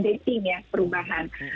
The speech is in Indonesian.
jadi ini terlihat sangat berubah